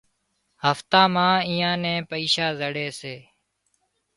هفتا مان اييئان نين پئيشا زڙي سي